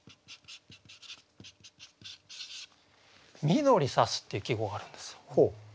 「緑さす」っていう季語があるんですよ。